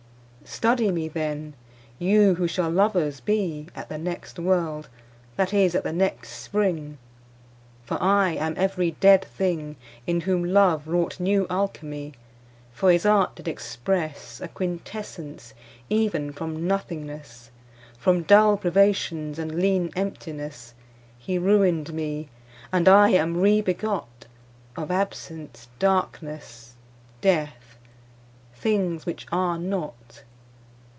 Study me then, you who shall lovers bee At the next world, that is, at the next Spring: For I am every dead thing, In whom love wrought new Alchimie. For his art did expresse A quintessence even from nothingnesse, From dull privations, and leane emptinesse: He ruin'd mee, and I am re begot Of absence, darknesse, death; things which are not.